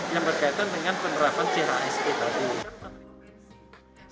yang berkaitan dengan penerapan chsg tadi